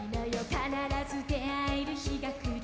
必ず出会える日がくる」